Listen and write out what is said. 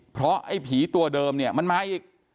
เพราะไอ้ผีตัวเดิมเนี่ยมันมาอีก